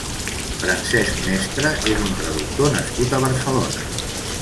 Francesc Mestre és un traductor nascut a Barcelona.